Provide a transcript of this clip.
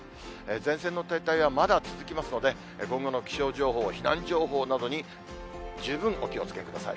前線の停滞はまだ続きますので、今後の気象情報、避難情報などに、十分お気をつけください。